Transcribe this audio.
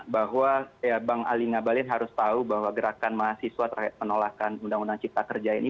bahwa bang ali ngabalin harus tahu bahwa gerakan mahasiswa terkait penolakan undang undang cipta kerja ini